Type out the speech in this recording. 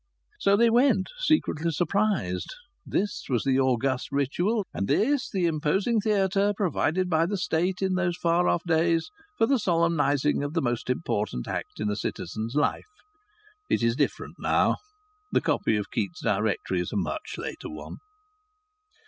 So they went, secretly surprised. This was the august ritual, and this the imposing theatre, provided by the State in those far off days for the solemnizing of the most important act in a citizen's life. It is different now; the copy of Keats's Directory is a much later one.